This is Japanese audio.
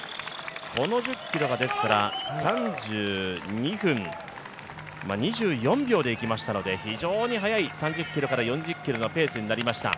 この１０ｋｍが３２分２４秒でいきましたので非常に速い３０ｋｍから４０ｋｍのペースになりました。